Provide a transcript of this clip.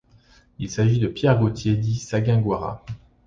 Il s'agit de Pierre Gautier dit Saguingoira.